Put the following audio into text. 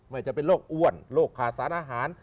จะเป็นโรคอ้วนโรคขาดสารอาหาร